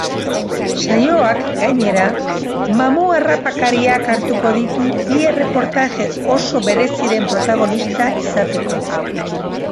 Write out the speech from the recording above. Saioak, gainera, mamu-harrapakariak hartuko ditu bi erreportaje oso bereziren protagonista izateko.